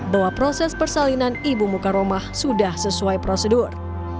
bahwa proses persalinan ibu muka rumah sudah sesuai prosedur